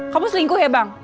kamu selingkuh ya bang